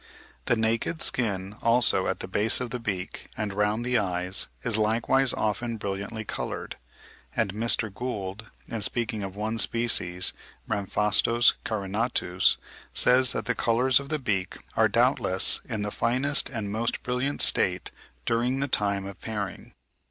The naked skin, also, at the base of the beak and round the eyes is likewise often brilliantly coloured; and Mr. Gould, in speaking of one species (52. Rhamphastos carinatus, Gould's 'Monograph of Ramphastidae.'), says that the colours of the beak "are doubtless in the finest and most brilliant state during the time of pairing."